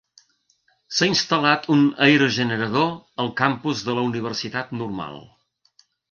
S'ha instal·lat un aerogenerador al campus de la universitat Normal.